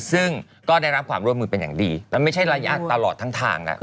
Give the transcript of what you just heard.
ซึ่งก็ได้รับความร่วมมือเป็นอย่างดีแล้วไม่ใช่ระยะตลอดทั้งทางแล้ว